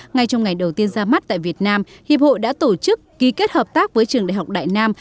ngay trong ngày đầu tiên ra mắt tại việt nam hiệp hội đã tổ chức ký kết hợp tác với trường đại học đại nam